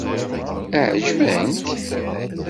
Ɛeǧben-k?